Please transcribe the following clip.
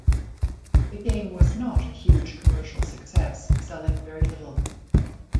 The game was not a huge commercial success, selling very little.